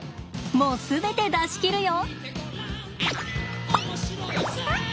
もう全て出し切るよ！